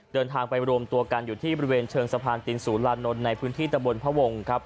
เดินทางไปรวมตัวกันอยู่ที่บริเวณเชิงสะพานตินศูนลานนท์ในพื้นที่ตะบนพระวงครับ